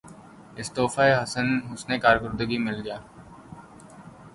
اسے تحفہِ حسنِ کارکردگی مل گیا